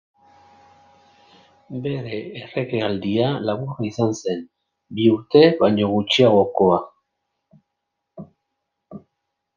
Bere erregealdia laburra izan zen, bi urte baino gutxiagokoa.